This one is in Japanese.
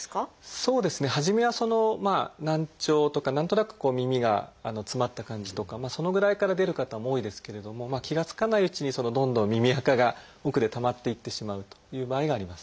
そうですね初めは難聴とか何となく耳が詰まった感じとかそのぐらいから出る方も多いですけれども気が付かないうちにどんどん耳あかが奥でたまっていってしまうという場合があります。